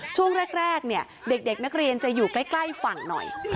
ช่วงแรกเนี่ยเด็กนักเรียนจะอยู่ใกล้ฝั่งหน่อย